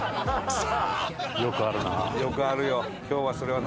よくあるな。